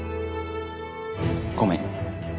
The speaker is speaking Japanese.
ごめん。